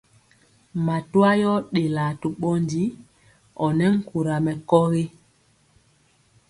Matwa yɔ ɗelaa to ɓɔndi ɔnɛ nkura mɛkɔgi.